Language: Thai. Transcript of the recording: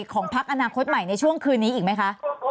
ของพักอนาคตใหม่ในช่วงคืนนี้อีกไหมคะ